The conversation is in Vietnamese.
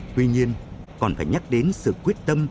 tuy nhiên còn phải nhắc đến sự quyết tâm